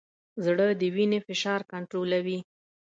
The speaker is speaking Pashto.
زړه د وینې فشار کنټرولوي.